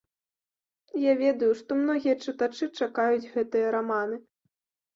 Я ведаю, што многія чытачы чакаюць гэтыя раманы.